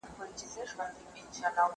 زه به اوږده موده خبري کړې وم!